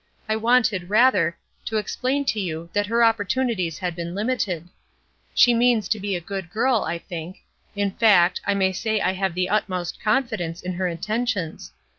I wanted, rather, to explain to you that her opportunities had been limited. She means to be a good girl, I think: in fact, I may say I have the utmost confidence in her intentions.